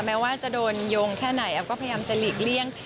แม้ว่าจะโดนโยงแค่ไหนแอฟก็พยายามจะหลีกเลี่ยง